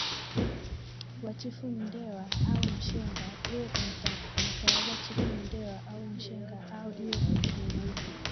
wa Chifu Mndewa au Mshenga iwe kumtawaza Chifu Mndewa au Mshenga au iwe kushughulika